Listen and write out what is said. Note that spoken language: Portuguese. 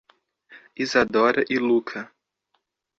Isadora e Lucca